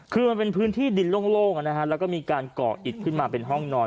คือมันเป็นพื้นที่ดินโล่งแล้วก็มีการเกาะอิดขึ้นมาเป็นห้องนอน